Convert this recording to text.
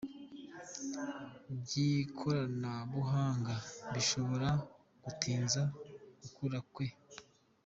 by'ikoranabuhanga, bishobora gutinza gukura kwe